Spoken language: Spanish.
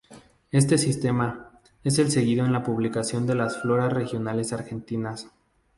Este sistema, es el seguido en la publicación de las floras regionales argentinas.